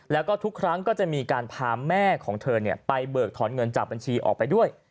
แล้วก็ทุกครั้งก็จะมีการพาแม่ของเธอไปเบิกถอนเงินจากบัญชีออกไปด้วย